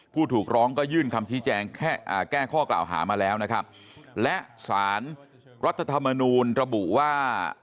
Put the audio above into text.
ผู้ถูกร้องก็ยื่นคำแก้ข้อกล่าวหามาแล้วนะครับและสารรัฐธรรมนูลระบุว่า